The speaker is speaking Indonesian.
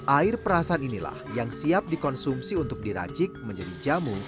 air perasan inilah yang siap dikonsumsi untuk diracik menjadi jamu